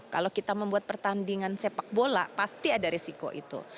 kalau kita membuat pertandingan sepak bola pasti ada resiko itu